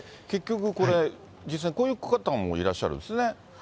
結局これ、実際にこういう方もいらっしゃるんですね。